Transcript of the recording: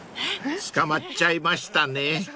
［つかまっちゃいましたね］